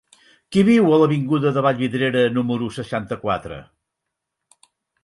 Qui viu a l'avinguda de Vallvidrera número seixanta-quatre?